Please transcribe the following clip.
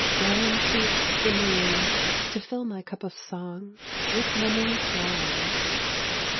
Down creeps the moon To fill my cup of song With memory's wine.